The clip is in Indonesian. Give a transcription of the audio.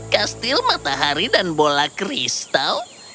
kastil matahari dan bola kristal